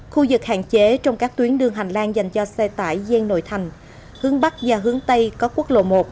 khu vực hạn chế trong các tuyến đường hành lang dành cho xe tải gian nội thành hướng bắc ra hướng tây có quốc lộ một